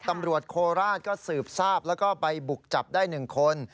ตำรวจโคราชก็สืบทราบแล้วก็ไปบุกจับได้๑คน